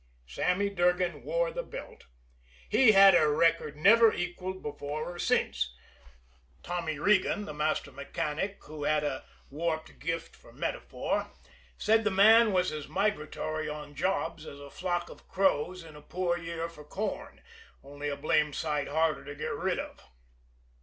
Sammy Durgan wore the belt. He held a record never equalled before or since. Tommy Regan, the master mechanic, who had a warped gift for metaphor, said the man was as migratory on jobs as a flock of crows in a poor year for corn, only a blamed sight harder to get rid of.